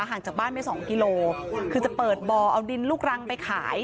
ห่างจากบ้านไปสองกิโลคือจะเปิดบ่อเอาดินลูกรังไปขาย